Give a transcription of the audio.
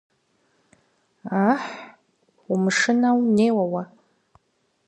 Ыхьы, умышынэу неуэ уэ.